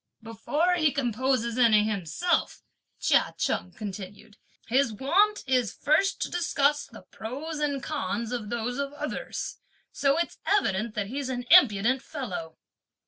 "Before he composes any himself," Chia Cheng continued, "his wont is to first discuss the pros and cons of those of others; so it's evident that he's an impudent fellow!"